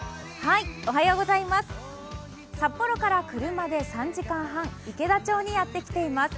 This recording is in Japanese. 札幌から車で３時間半、池田町にやってきています。